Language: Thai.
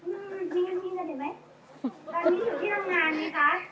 ตอนนี้อยู่ที่ทำงานนี่คะ